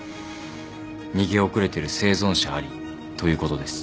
逃げ遅れてる生存者ありということです。